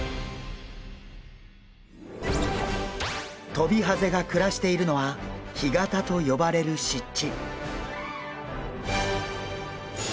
トビハゼが暮らしているのは干潟と呼ばれる湿地。